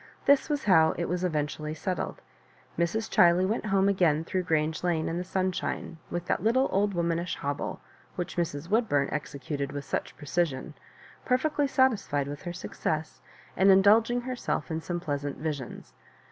This was how it was eventually settled. Mrs. Chiley went home again through Grange Lane in the sunshine, with that little old womanish hobble which Mrs. Wood burn executed with such precision, perfectly satis fied with her success^ and indulging herself in some pleasant visions.